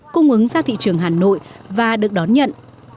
cung ứng ra thị trường hà nội và được đón nhận